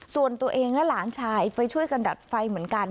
ส่วนตัวเองและหลานชายไปช่วยกันดับไฟเหมือนกัน